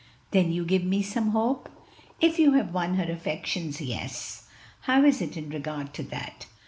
"Then you give me some hope?" "If you have won her affections, yes. How is it in regard to that?"